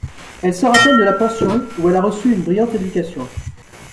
Elle sort à peine de la pension, ou elle a reçu une brillante éducation.